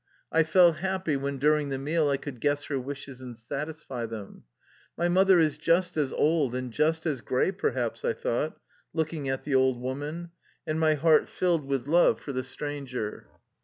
I felt happy when, during the meal, I could guess her wishes and satisfy them. " My mother is just as old and just as gray, perhaps," I thought, looking at the old woman, and my heart filled with love for the stranger.